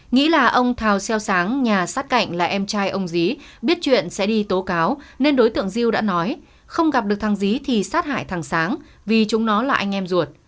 nghĩ là ông thào xeo sáng nhà sát cạnh là em trai ông dí biết chuyện sẽ đi tố cáo nên đối tượng diêu đã nói không gặp được thăng dí thì sát hại thẳng sáng vì chúng nó là anh em ruột